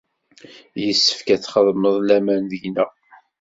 Yessefk ad txedmeḍ laman deg-neɣ.